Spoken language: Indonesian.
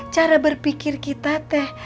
cara berpikir kita teh